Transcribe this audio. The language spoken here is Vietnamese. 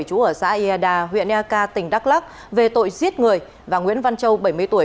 chú ở xã ia đà huyện ia ca tỉnh đắk lắc về tội giết người và nguyễn văn châu bảy mươi tuổi